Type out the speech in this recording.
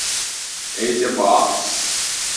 এই যে, বস।